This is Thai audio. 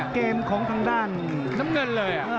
เกมของทางด้านน้ำเงินเลย